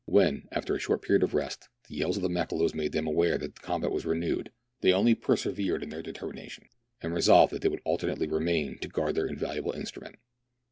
When, after a short period of rest, the yells of the Makololos made them aware that the combat was renewed, they only persevered in their determination, and resolved that they would alternately remain to guard their invaluable instrument.